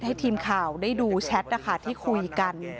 ให้ทีมข่าวได้ดูแชทนะคะที่คุยกัน